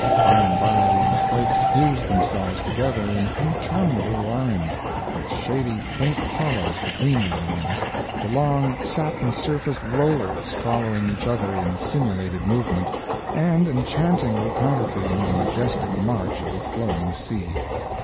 By and by these flakes fused themselves together in interminable lines, with shady faint hollows between the lines, the long satin surfaced rollers following each other in simulated movement, and enchantingly counterfeiting the majestic march of a flowing sea.